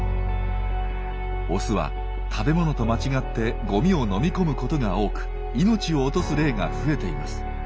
オスは食べ物と間違ってごみを飲み込むことが多く命を落とす例が増えています。